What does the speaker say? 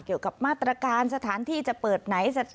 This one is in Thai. เกี่ยวกับมาตรการสถานที่จะเปิดไหน